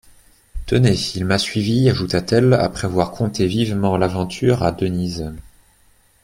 Tenez ! il m'a suivie, ajouta-t-elle, après avoir conté vivement l'aventure à Denise.